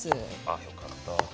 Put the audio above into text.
あよかった。